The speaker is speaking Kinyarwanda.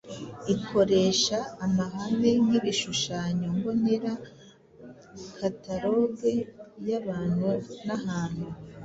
ikoresha amahame nkibishushanyo mbonera, kataloge yabantu n’ahantu